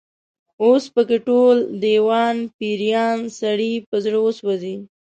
اوس په کې ټول، دېوان پيریان، سړی په زړه وسوځي